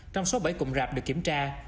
trong số bảy cụm rạp được kiểm tra